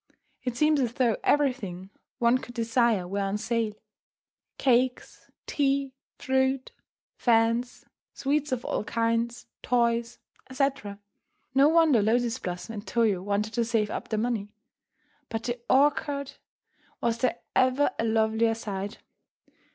It seems as though everything one could desire were on sale: cakes, tea, fruit, fans, sweets of all kinds, toys, etc. No wonder Lotus Blossom and Toyo wanted to save up their money. But the orchard! Was there ever a lovelier sight?